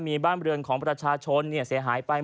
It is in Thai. ที่บ้านบริเวณของประชาชนเนี่ยเสียหายไป